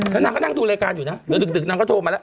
แล้วนางก็นั่งดูรายการอยู่นะเดี๋ยวดึกนางก็โทรมาแล้ว